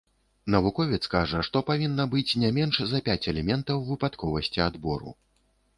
Навуковец кажа, што павінна быць не менш за пяць элементаў выпадковасці адбору.